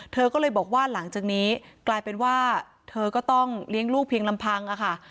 เธอก็เลยบอกว่าหลังจากนี้กลายเป็นว่าเธอก็ต้องเลี้ยงลูกเพียงลำพังค่ะ